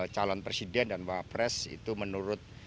calon presiden dan bapak pres itu menurut